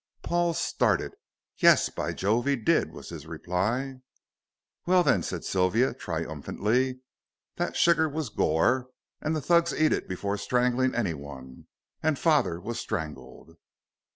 Paul started. "Yes, by Jove! he did," was his reply. "Well, then," said Sylvia, triumphantly, "that sugar was goor, and the Thugs eat it before strangling anyone, and father was strangled."